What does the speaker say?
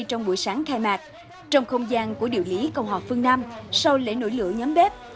trong không gian của điều lý công họp phương nam sau lễ nổi lửa nhóm bếp